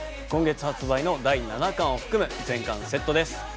今月発売の第７巻を含む全巻のセットです！